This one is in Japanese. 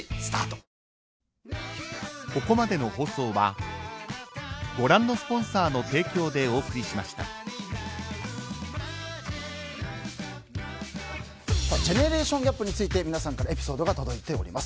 ピンポーンジェネレーションギャップについて皆さんからエピソードが届いております。